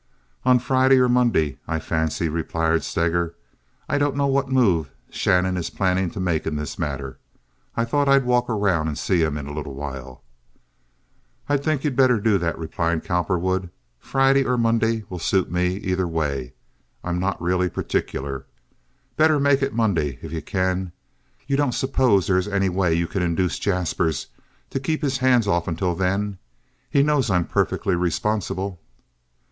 "Oh, Friday or Monday, I fancy," replied Steger. "I don't know what move Shannon is planning to make in this matter. I thought I'd walk around and see him in a little while." "I think you'd better do that," replied Cowperwood. "Friday or Monday will suit me, either way. I'm really not particular. Better make it Monday if you can. You don't suppose there is any way you can induce Jaspers to keep his hands off until then? He knows I'm perfectly responsible."